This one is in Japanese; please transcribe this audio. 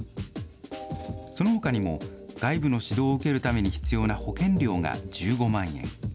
そのほかにも、外部の指導を受けるために必要な保険料が１５万円。